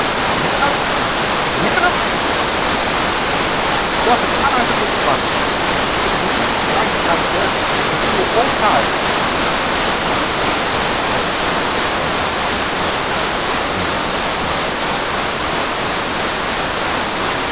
"Nicholas, Nicholas!" she screamed, "you are to come out of this at once. It's no use trying to hide there; I can see you all the time." It was probably the first time for twenty years that anyone had smiled in that lumber room.